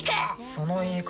その言い方